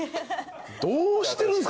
どうしてるんですか？